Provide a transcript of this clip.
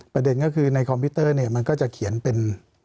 ประเด็นก็คือในคอมพิวเตอร์เนี่ยมันก็จะเขียนเป็น